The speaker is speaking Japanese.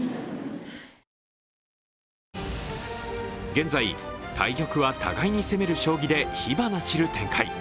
現在、対局は互いに攻める将棋で火花散る展開。